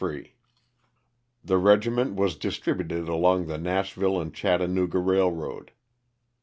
The regi ment was distributed along the Kashville & Chatta nooga railroad.